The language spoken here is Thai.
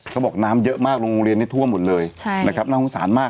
เขาบอกน้ำเยอะมากโรงโรงเรียนทั่วหมดเลยใช่นะครับน่าโฮงสารมาก